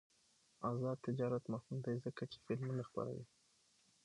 آزاد تجارت مهم دی ځکه چې فلمونه خپروي.